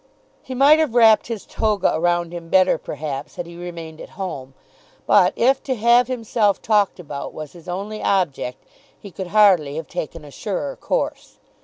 He might have wrapped his toga around him better perhaps had he remained at home, but if to have himself talked about was his only object, he could hardly have taken a surer course.